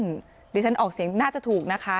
เดี๋ยวฉันออกเสียงน่าจะถูกนะคะ